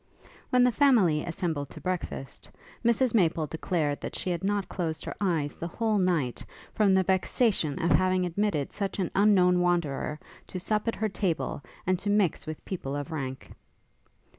When the family assembled to breakfast, Mrs Maple declared that she had not closed her eyes the whole night, from the vexation of having admitted such an unknown Wanderer to sup at her table, and to mix with people of rank.